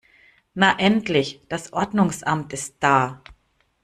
Na endlich, das Ordnungsamt ist da!